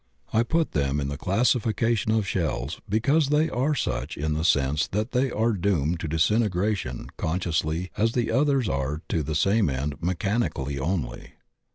I put them in the classification of shells be cause they are such in the sense that they are doomed to disintegration consciously as the others are to the same end mechanically only.